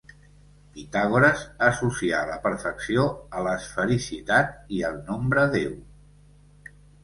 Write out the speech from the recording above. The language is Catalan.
Pitàgores associà la perfecció a l'esfericitat i al nombre deu.